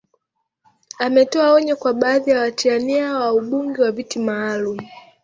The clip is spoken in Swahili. ametoa onyo kwa baadhi ya watia nia wa ubunge wa viti maalum